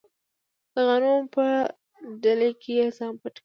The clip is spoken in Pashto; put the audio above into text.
د غنمو په دلۍ کې یې ځان پټ کړ.